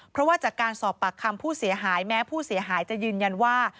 เพราะว่าจากการสอบปากคำผู้เสียหายแม้ผู้เสียหายจะยืนยันว่า